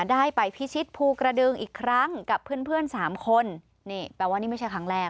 ได้ไปพิชิตภูกระดึงอีกครั้งกับเพื่อนเพื่อนสามคนนี่แปลว่านี่ไม่ใช่ครั้งแรก